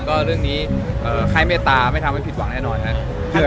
ก็เรื่องนี้ใครเมตตาไม่ทำให้ผิดหวังแน่นอนครับ